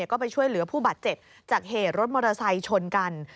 ก็ไปช่วยเหลือผู้บาดเจ็บจากเหตุรถมอเตอร์ไซค์ชนกัน